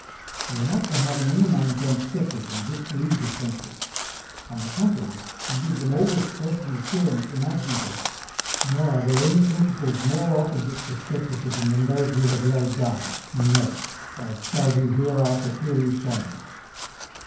We are not for having any man turn SCEPTIC and disbelieve his senses; on the contrary, we give them all the stress and assurance imaginable; nor are there any principles more opposite to Scepticism than those we have laid down [Note.], as shall be hereafter clearly shown.